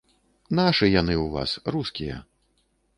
Нашы яны ў вас, рускія.